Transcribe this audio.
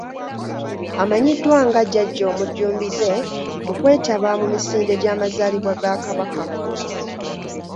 Amanyiddwa nga Jjajja omujjumbize mu kwetaba mu misinde gyamazaalibwa ga Kabaka.